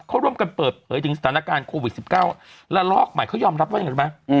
เขาร่วมกันเปิดเหลือถึงสถานการณ์โควิด๑๙และลอกใหม่เขายอมรับไว้เห็นไหม